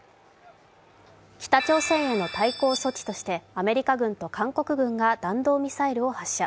北朝鮮への対抗措置としてアメリカ軍と韓国軍が弾道ミサイルを発射。